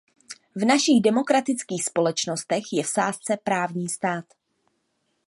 V našich demokratických společnostech je v sázce právní stát.